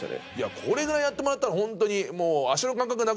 これぐらいやってもらったらホントにもう。